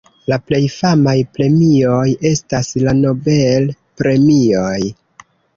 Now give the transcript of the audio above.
La plej famaj premioj estas la Nobel-premioj.